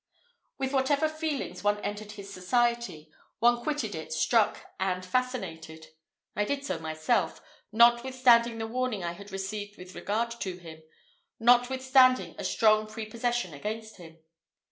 With whatever feelings one entered his society, one quitted it struck and fascinated. I did so myself, notwithstanding the warning I had received with regard to him notwithstanding a strong prepossession against him.